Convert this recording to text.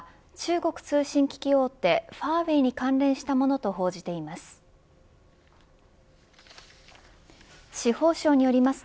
アメリカメディアは中国通信機器大手ファーウェイに関連したものと報じています。